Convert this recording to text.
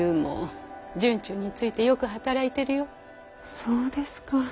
そうですか。